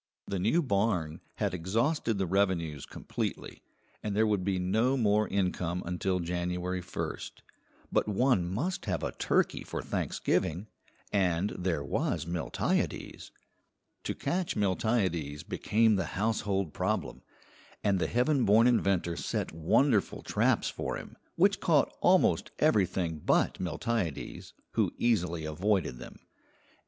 The new barn had exhausted the revenues completely, and there would be no more income until January 1st; but one must have a turkey for Thanksgiving, and there was Miltiades. To catch Miltiades became the household problem, and the heaven born inventor set wonderful traps for him, which caught almost everything but Miltiades, who easily avoided them.